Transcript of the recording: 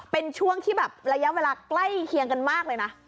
เป็นช่วงที่แบบระยะเวลาใกล้เคียงกันมากเลยนะ